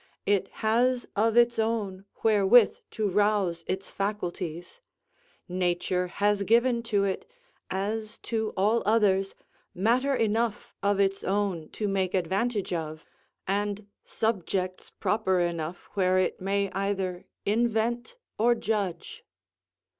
It has of its own wherewith to rouse its faculties: nature has given to it, as to all others, matter enough of its own to make advantage of, and subjects proper enough where it may either invent or judge.